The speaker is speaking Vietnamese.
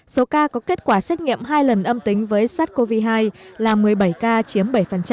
số ca có kết quả xét nghiệm hai lần âm tính với sars cov hai là một mươi bảy ca chiếm bảy